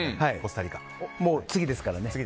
もう次ですから。